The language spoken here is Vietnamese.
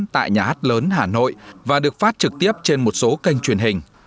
tại nhà hát lớn hà nội và được phát trực tiếp trên một số kênh truyền hình